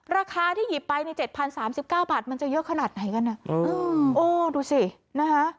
ราคาที่หยิบไปใน๗๐๓๙บาทมันจะเยอะขนาดไหนกันอ่ะโอ้ดูสินะคะ